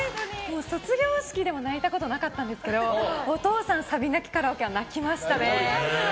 卒業式でも泣いたことなかったんですけどお父さんサビ泣きカラオケは泣きましたね。